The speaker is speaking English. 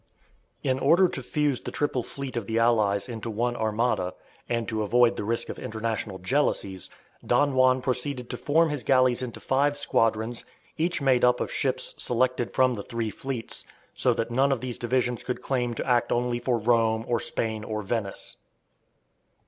In order to fuse the triple fleet of the Allies into one armada, and to avoid the risk of international jealousies, Don Juan proceeded to form his galleys into five squadrons, each made up of ships selected from the three fleets, so that none of these divisions could claim to act only for Rome, or Spain, or Venice.